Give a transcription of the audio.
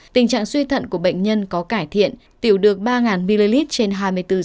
tình trạng suy thận của bệnh nhân có cải thiện tiểu được ba ml trên hai mươi bốn giờ